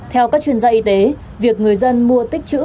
theo các chuyên gia y tế việc người dân mua tích chữ